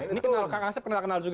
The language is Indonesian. ini kenal kang asep kenal kenal juga